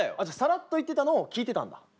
じゃあさらっと言ってたのを聞いてたんだ。